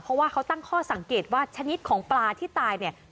เพราะว่าเขาตั้งข้อสังเกตว่าชนิดของปลาที่ตายเนี่ย